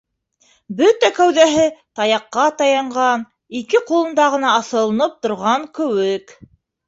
Бөтә кәүҙәһе таяҡҡа таянған ике ҡулында ғына аҫылынып торған кеүек.